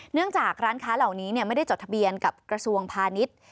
เนื่องจากร้านค้าเหล่านี้ไม่ได้จดทะเบียนกับกระทรวงพาณิชย์